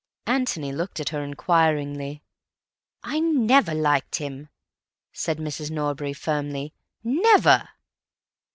Antony looked at her inquiringly. "I never liked him," said Mrs. Norbury firmly. "Never."